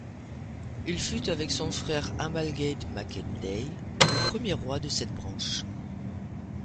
Il fut, avec son frère Amalgaid mac Éndai, le premier roi de cette branche.